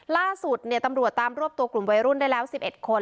ล่าสุดตำรวจตามรวบตัวกลุ่มวัยรุ่นได้แล้ว๑๑คน